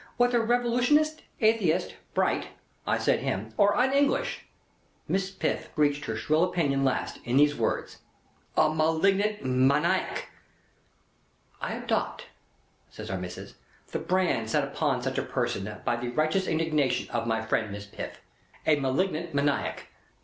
Whether revolutionist, atheist, Bright (I said him), or Un English. Miss Piff screeched her shrill opinion last, in the words: "A malignant maniac!" "I adopt," says Our Missis, "the brand set upon such a person by the righteous indignation of my friend Miss Piff. A malignant maniac.